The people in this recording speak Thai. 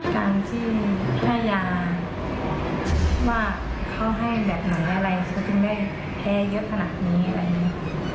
การที่ให้ยาว่าเขาให้แบบหน่อยอะไรก็จึงได้แพ้เยอะขนาดนี้อะไรนี้